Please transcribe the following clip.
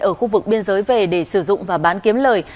ở khu vực biên giới về để sử dụng và bán kiếm lời